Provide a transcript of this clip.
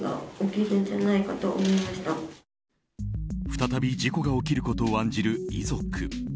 再び事故が起きることを案じる遺族。